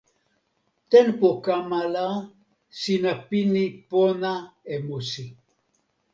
tenpo kama la sina pini pona e musi.